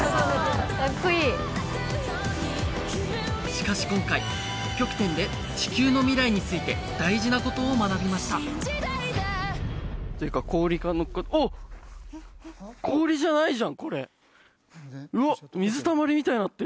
しかし今回北極点で地球の未来について大事なことを学びましたというか氷が残ってああこれが現実なんだ